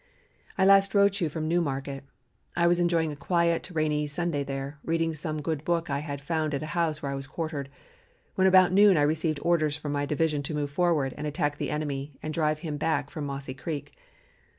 "I last wrote you from New Market. I was enjoying a quiet rainy Sunday there, reading some good book I found at the house where I was quartered, when about noon I received orders for my division to move forward and attack the enemy and drive him back from Mossy Creek.